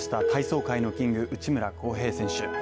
体操界のキング・内村航平選手